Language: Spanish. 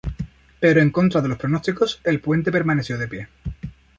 Pero en contra de los pronósticos, el puente permaneció de pie.